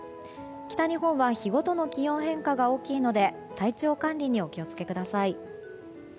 北日本は日ごとの気温変化が大きいので体調管理にお気を付けください。